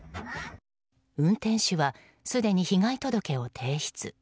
運転手はすでに被害届を提出。